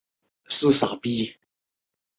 至五代时迁居蒙城。